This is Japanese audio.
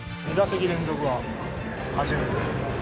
２打席連続は初めてですね。